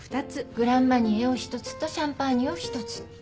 グランマニエを１つとシャンパーニュを１つ。ですよね？